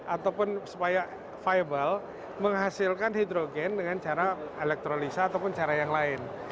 ataupun supaya viable menghasilkan hidrogen dengan cara elektrolisa ataupun cara yang lain